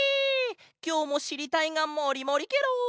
きょうもしりたいがもりもりケロ！